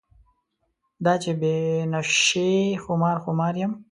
دا چې بې نشې خمار خمار یم.